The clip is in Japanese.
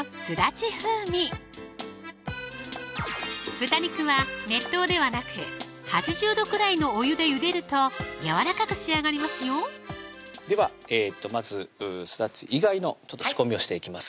豚肉は熱湯ではなく８０度くらいのお湯でゆでるとやわらかく仕上がりますよではまずすだち以外の仕込みをしていきます